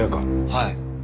はい。